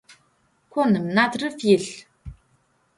Konım natrıf yilh.